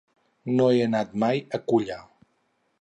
No he anat mai a Culla.